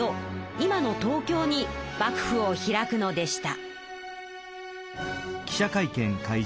今の東京に幕府を開くのでした。